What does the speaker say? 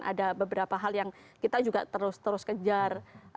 ada beberapa hal yang kita juga terus terus kejar